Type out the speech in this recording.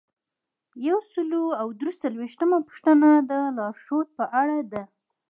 یو سل او درې څلویښتمه پوښتنه د لارښوود په اړه ده.